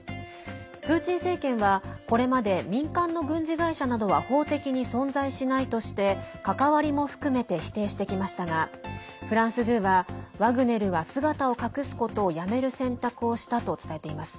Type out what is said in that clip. プーチン政権は、これまで民間の軍事会社などは法的に存在しないとして関わりも含めて否定してきましたがフランス２はワグネルは姿を隠すことをやめる選択をしたと伝えています。